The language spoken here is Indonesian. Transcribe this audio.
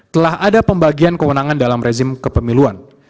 telah ada pembagian kewenangan dalam rezim kepemiluan